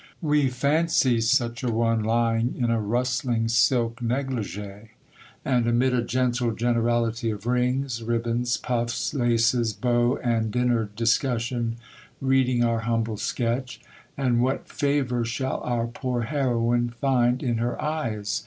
We fancy such a one lying in a rustling silk négligé, and, amid a gentle generality of rings, ribbons, puffs, laces, beaux, and dinner discussion, reading our humble sketch;—and what favour shall our poor heroine find in her eyes?